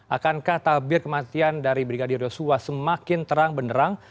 akankah tabir kematian dari brigadir yosua semakin terang benderang